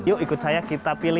yuk ikut saya kita pilih